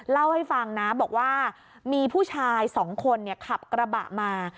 เล่าให้ฟังนะบอกว่ามีผู้ชายสองคนขับกระบะมา